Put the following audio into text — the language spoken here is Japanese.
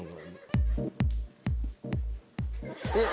えっ？